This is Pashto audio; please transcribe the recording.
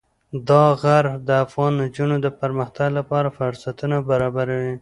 دا غر د افغان نجونو د پرمختګ لپاره فرصتونه برابروي.